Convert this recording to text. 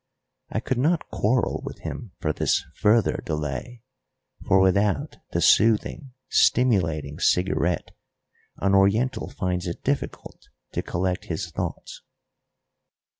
I could not quarrel with him for this further delay, for without the soothing, stimulating cigarette an Oriental finds it difficult to collect his thoughts.